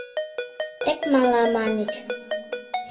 — Тек мала, — маньыч.